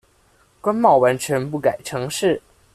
關貿完全不改程式